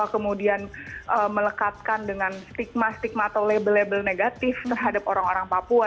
kemudian melekatkan dengan stigma stigma atau label label negatif terhadap orang orang papua